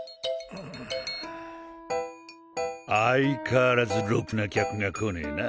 相変わらずロクな客が来ねぇな